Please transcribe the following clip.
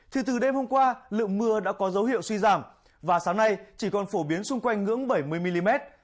thì từ đêm hôm qua lượng mưa đã có dấu hiệu suy giảm và sáng nay chỉ còn phổ biến xung quanh ngưỡng bảy mươi mm